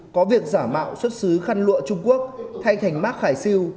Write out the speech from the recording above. có việc giả mạo xuất xứ khăn lụa trung quốc thay thành mát khải siêu